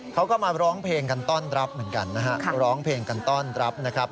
เขาก็มาร้องเพลงกันต้อนรับเหมือนกันนะฮะร้องเพลงกันต้อนรับนะครับ